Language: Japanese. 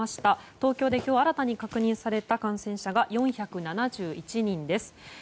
東京で今日新たに確認された感染者が４７１人です。